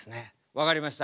分かりました。